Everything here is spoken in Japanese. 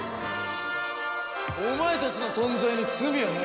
お前たちの存在に罪はない。